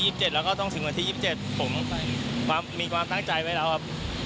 แล้วก็ต้องถึงวันที่๒๗ผมมีความตั้งใจไว้แล้วครับ